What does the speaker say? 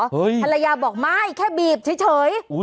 ภรรยาบอกไม่แค่บีบเฉย